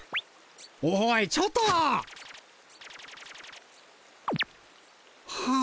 おいちょっと。はあ。